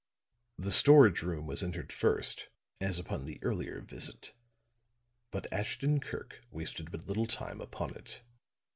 The storage room was entered first as upon the earlier visit, but Ashton Kirk wasted but little time upon it.